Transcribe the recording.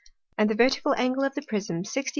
And the Vertical Angle of the Prism, 63° 12'.